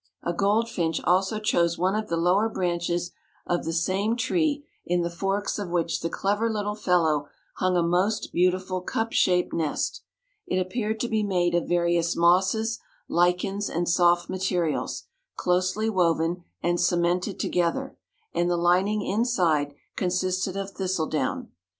A goldfinch also chose one of the lower branches of the same tree, in the forks of which the clever little fellow hung a most beautiful cup shape nest. It appeared to be made of various mosses, lichens, and soft materials, closely woven and cemented together, and the lining inside consisted of thistle down.